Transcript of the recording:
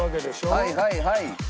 はいはいはい。